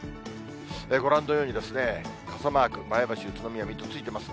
ご覧のように、傘マーク、前橋、宇都宮、水戸、ついてます。